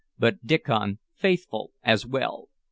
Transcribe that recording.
"But Diccon Faithful as well.